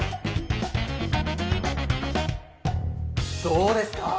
どうですか？